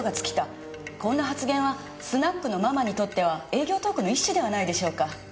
こんな発言はスナックのママにとっては営業トークの一種ではないでしょうか。